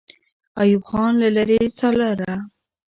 ایوب خان له لرې څارله.